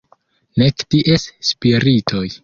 Nek ties spiritoj.